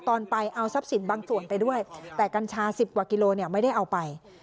ตอนไปเอาทรัพย์สินบางส่วนไปด้วยแต่กัญชา๑๐กว่ากิโลเนี่ยไม่ได้เอาไป